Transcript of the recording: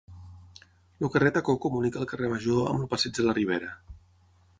El carrer Tacó comunica el carrer Major amb el passeig de la Ribera.